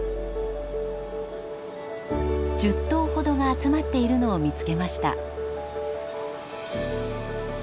１０頭ほどが集まっているのを見つけました。